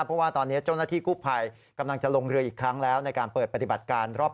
เพราะว่าตอนนี้เจ้าหน้าที่กู้ภัยกำลังจะลงเรืออีกครั้งแล้วในการเปิดปฏิบัติการรอบ